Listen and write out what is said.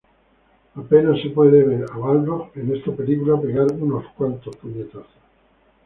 Apenas se puede ver a Balrog en esta película pegar unos pocos puñetazos.